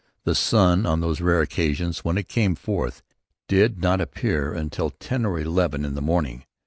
The sun, on those rare occasions when it came forth, did not appear until ten or eleven in the morning.